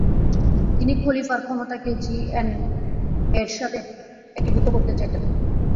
তিনি খলিফার ক্ষমতাকে জিএনএ'এর সাথে একীভূত করতে চাইতেন।